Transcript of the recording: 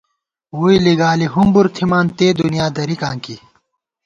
ووئی لِگالی ہُمبر تھِمان تے دُنیا درِکاں کی